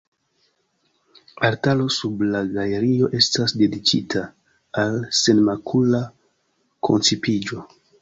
Altaro sub la galerio estas dediĉita al Senmakula Koncipiĝo.